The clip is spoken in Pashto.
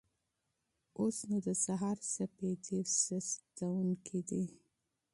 اوس نو د سهار سپېدې چاودېدونکې وې.